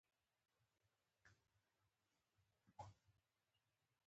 د وعدې سره سم ډوډۍ خوړلو ته لاړم.